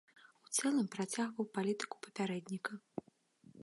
У цэлым працягваў палітыку папярэдніка.